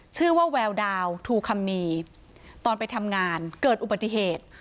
ชื่อว่าแววดาวทูคัมมีตอนไปทำงานเกิดอุบัติเหตุ